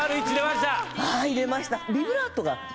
はい出ました。